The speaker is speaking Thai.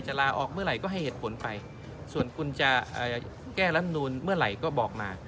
ลาออกเมื่อไหร่ก็ให้เหตุผลไปส่วนคุณจะแก้รับนูนเมื่อไหร่ก็บอกมา